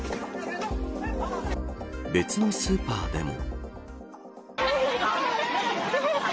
別のスーパーでも。